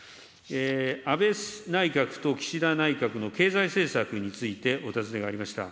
安倍内閣と岸田内閣の経済政策についてお尋ねがありました。